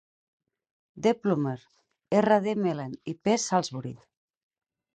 D Plummer, R. D. Melen i P. Salsbury.